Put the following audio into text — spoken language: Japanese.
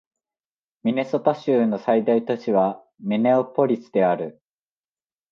ミネソタ州の最大都市はミネアポリスである